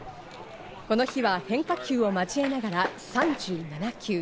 この日は変化球を交えながら３７球。